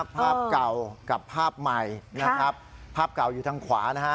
ภาพเก่ากับภาพใหม่นะครับภาพเก่าอยู่ทางขวานะฮะ